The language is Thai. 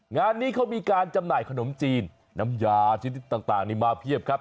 งานนี้เขามีการจำหน่ายขนมจีนน้ำยาชนิดต่างนี่มาเพียบครับ